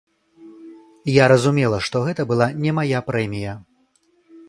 Я разумела, што гэта была не мая прэмія.